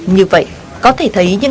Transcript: như vậy có thể thấy những